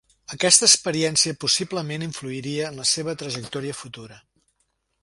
Aquesta experiència possiblement influiria en la seva trajectòria futura.